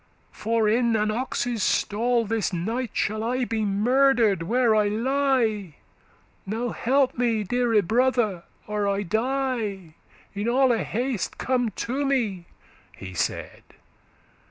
for in an ox's stall This night shall I be murder'd, where I lie Now help me, deare brother, or I die; In alle haste come to me,' he said.